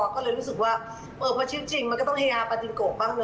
ก็เลยรู้สึกว่าพอชีวิตจริงมันก็ต้องเฮฮาปาติโกะบ้าง